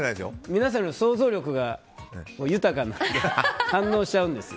皆さんより想像力が豊かなので反応しちゃうんですよ。